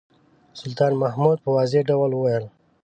سلطان مسعود په واضح ډول وویل.